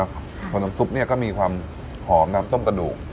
สำหรับน้ำซุปนี่ก็มีความหอมน้ำต้มกระดูก